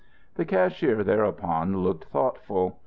The cashier thereupon looked thoughtful.